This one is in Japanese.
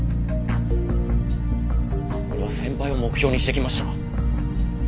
俺は先輩を目標にしてきました。